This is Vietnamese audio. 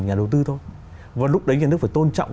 nhà đầu tư thôi và lúc đấy nhà nước phải tôn trọng